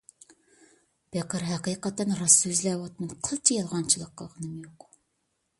پېقىر ھەقىقەتەن راست سۆزلەۋاتىمەن، قىلچە يالغانچىلىق قىلغىنىم يوق.